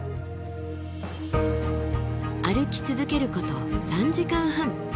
歩き続けること３時間半。